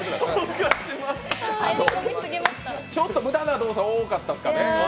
ちょっと無駄な動作多かったですかね。